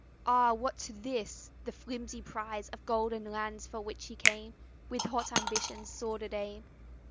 Ah, what to this the flimsy prize Of gold and lands for which he came With hot ambition's sordid aim!